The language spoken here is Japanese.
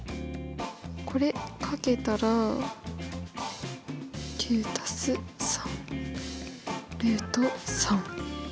これ掛けたら９＋３ルート３。